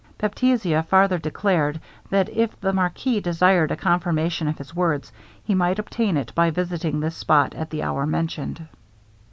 Baptista farther declared, that if the marquis desired a confirmation of his words, he might obtain it by visiting this spot at the hour mentioned.